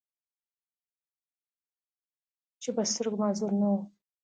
چې پۀ سترګو معذور نۀ وو،